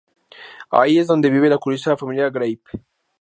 Ahí es donde vive la curiosa familia Grape.